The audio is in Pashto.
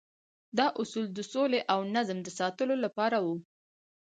دا اصول د سولې او نظم د ساتلو لپاره وو.